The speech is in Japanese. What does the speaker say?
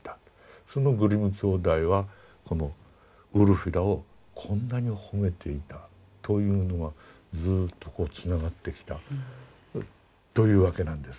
そのグリム兄弟はこのウルフィラをこんなに褒めていたというのはずっとこうつながってきたというわけなんです。